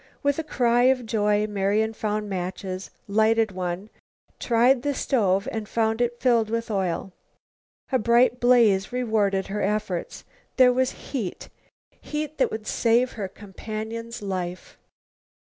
With a cry of joy Marian found matches, lighted one, tried the stove, found it filled with oil. A bright blaze rewarded her efforts. There was heat, heat that would save her companion's life.